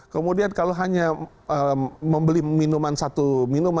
kemudian kalau hanya membeli minuman satu minuman